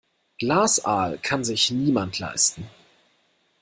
Glasaal kann sich niemand leisten.